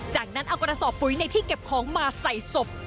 จากนั้นเอากระสอบปุ๋ยในที่เก็บของมาใส่ศพ